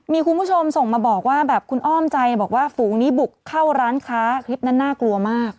มีคุณผู้ชมส่งมาบอกว่าแบบคุณอ้อมใจบอกว่าฝูงนี้บุกเข้าร้านค้าคลิปนั้นน่ากลัวมาก